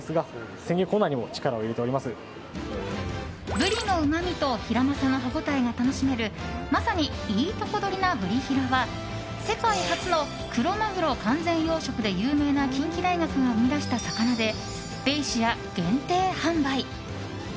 ブリのうまみとヒラマサの歯応えが楽しめるまさにいいとこ取りなブリヒラは世界初のクロマグロ完全養殖で有名な近畿大学が生み出した魚でベイシア限定販売！